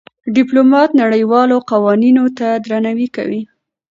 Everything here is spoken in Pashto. ډيپلومات نړېوالو قوانينو ته درناوی کوي.